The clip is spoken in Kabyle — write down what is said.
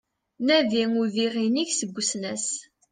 Nadi udiɣ inig seg usnas